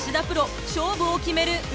プロ勝負を決める